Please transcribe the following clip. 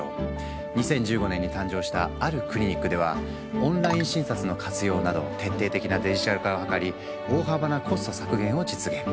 ２０１５年に誕生したあるクリニックではオンライン診察の活用など徹底的なデジタル化を図り大幅なコスト削減を実現。